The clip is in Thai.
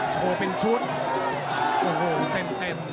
โชว์เป็นชุดโอ้โหเต็ม